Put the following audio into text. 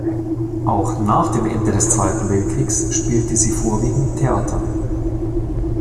Auch nach dem Ende des Zweiten Weltkrieges spielte sie vorwiegend Theater.